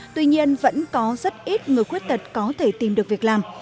tuy nhiên vẫn có rất ít người khuyết tật có thể tìm được việc làm